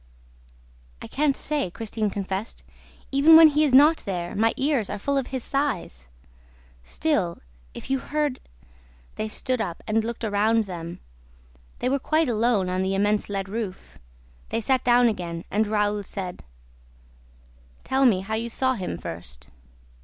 "I can't say," Christine confessed. "Even when he is not there, my ears are full of his sighs. Still, if you heard ..." They stood up and looked around them. They were quite alone on the immense lead roof. They sat down again and Raoul said: "Tell me how you saw him first."